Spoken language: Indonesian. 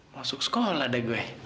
masuk sekolah deh gue